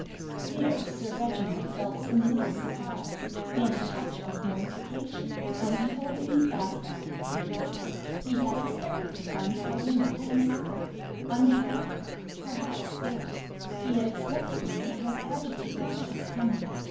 Here Sir Reginald felt some little surprise, and a touch of mortification, on beholding the aspect of things. He had expected to find Paulina pensive, unhappy, perhaps ill. He had expected to see her agitated at his coming.